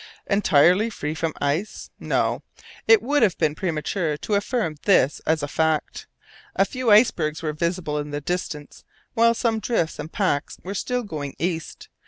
Entirely free from ice? No. It would have been premature to affirm this as a fact. A few icebergs were visible in the distance, while some drifts and packs were still going east.